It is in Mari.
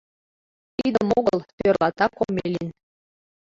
— Тидым огыл, — тӧрлата Комелин.